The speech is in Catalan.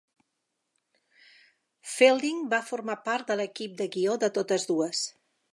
Fielding va formar part de l'equip de guió de totes dues.